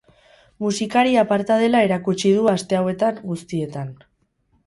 Musikari aparta dela erakutsi du aste hauetan guztietan.